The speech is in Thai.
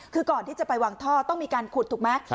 คือก่อนที่จะไปวางท่อต้องมีการขุดถูกไหม